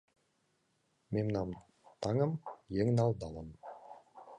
Мемнам таҥым еҥ налдалын.